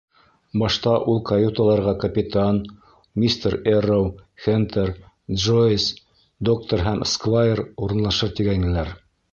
Башта ул каюталарға капитан, мистер Эрроу, Хентер, Джойс, доктор һәм сквайр урынлашыр тигәйнеләр.